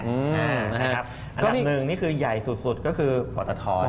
อันดับหนึ่งนี่คือใหญ่สุดก็คือปอตท